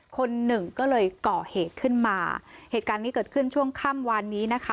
คนหนึ่งก็เลยก่อเหตุขึ้นมาเหตุการณ์นี้เกิดขึ้นช่วงค่ำวานนี้นะคะ